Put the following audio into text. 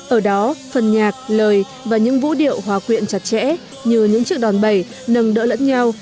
ở đó phần nhạc lời và những vũ điệu hòa quyện chặt chẽ như những chiếc đòn bẩy nâng đỡ lẫn nhau